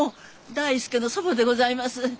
大介の祖母でございます。